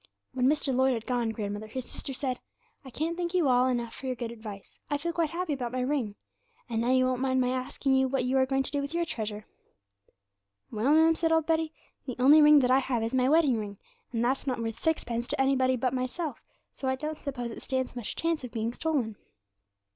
'When Mr. Lloyd had gone, grandmother, his sister said, "I can't thank you all enough for your good advice. I feel quite happy about my ring. And now you won't mind my asking you what are you going to do with your treasure?" '"Well, ma'am," said old Betty, "the only ring that I have is my wedding ring, and that's not worth sixpence to anybody but myself, so I don't suppose it stands much chance of being stolen."